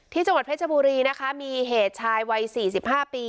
ที่จังหวัดเพชรบุรีนะคะมีเหตุชายวัย๔๕ปี